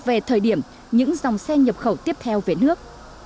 về thời điểm những dòng xe nhập khẩu tiếp theo về nước